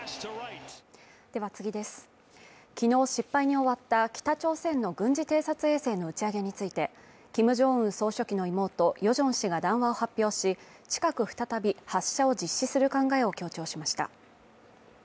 昨日失敗に終わった北朝鮮の軍事偵察衛星の打ち上げについて、キム・ジョンウン総書記の妹ヨジョン氏が談話を発表し、近く再び発射を実施する考えを強調しました。